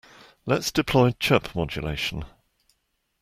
Let's deploy chirp modulation.